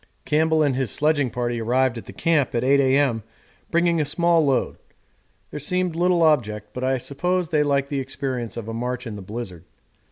Campbell and his sledging party arrived at the Camp at 8.0 A.M. bringing a small load: there seemed little object, but I suppose they like the experience of a march in the blizzard.